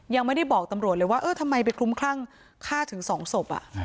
ยังไม่ได้บอกตำรวจเลยว่าเออทำไมไปคลุ้มคลั่งฆ่าถึงสองศพ